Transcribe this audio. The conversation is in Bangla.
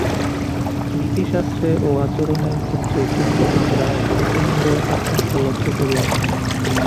নীতিশাস্ত্রে ও আচরণের ক্ষেত্রে কিন্তু আমরা এক প্রচণ্ড পার্থক্য লক্ষ্য করিয়া থাকি।